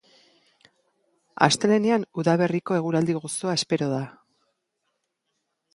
Astelehenean udaberriko eguraldi gozoa espero da.